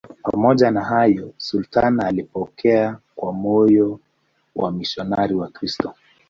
Pamoja na hayo, sultani alipokea kwa moyo wamisionari Wakristo.